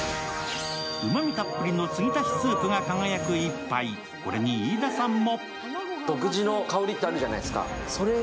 うまみたっぷりの継ぎ足しスープが輝く１杯、これに飯田さんも。